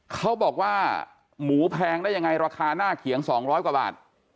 เขาบอกว่าหมูแพงได้ยังไงราคาหน้าเขียง๒๐๐กว่าบาท